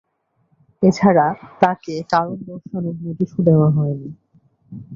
এ ছাড়া তাঁকে কারণ দর্শানোর নোটিশও দেওয়া হয়নি।